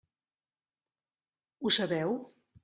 Ho sabeu?